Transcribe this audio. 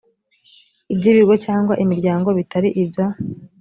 iby ibigo cyangwa imiryango bitari ibya